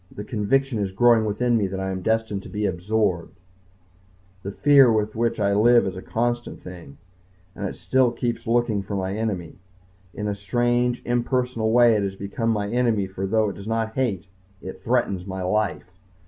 The conviction is growing within me that I am destined to be absorbed. The fear with which I live is a constant thing. And I still keep looking for my enemy. In a strange, impersonal way it has become my enemy for though it does not hate, it threatens my life.